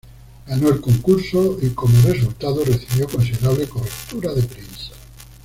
Ganó el concurso y como resultado, recibió considerable cobertura de prensa.